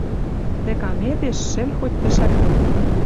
Тӹ каметеш шӹл хоть тӹшӓкок...